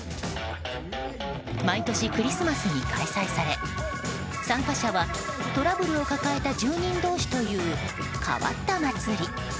毎年クリスマスに開催され参加者はトラブルを抱えた住人同士という変わった祭り。